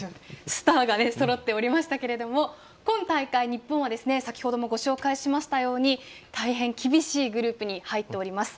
スターがそろっておりましたけど今大会、日本は先程もご紹介しましたように大変、厳しいグループに入っております。